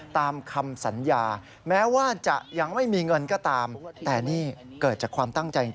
ตามคำสัญญาแม้ว่าจะยังไม่มีเงินก็ตาม